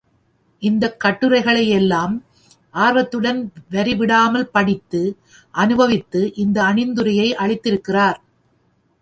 இந்தக் கட்டுரைகளையெல்லாம் ஆர்வத்துடன் வரிவிடாமல் படித்து, அனுபவித்து இந்த அணிந்துரையை அளித்திருக்கிறார்.